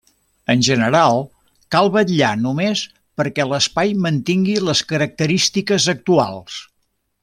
En general, cal vetllar només perquè l'espai mantingui les característiques actuals.